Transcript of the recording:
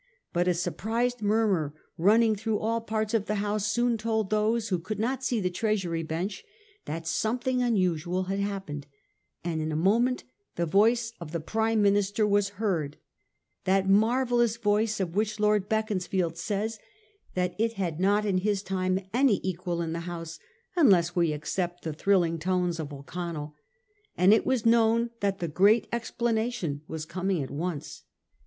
But a surprised murmur run ning through all parts of the House soon told those who could not see the Treasury bench that something unusual had happened ; and in a moment the voice of the Prime Minister was heard — that marvellous voice of which Lord Beaconsfield says that it had not in his time any equal in the House ' unless we except the thrilling tones of O'Connell' — and it was known that the great explanation was coming at once.